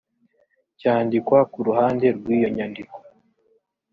cyandikwa ku ruhande rw iyo nyandiko